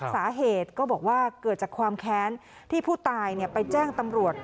สาเหตุก็บอกว่าเกิดจากความแค้นที่ผู้ตายไปแจ้งตำรวจ